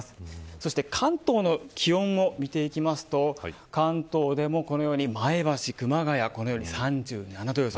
そして関東の気温を見ていきますと関東でもこのように前橋、熊谷、３７度という予想。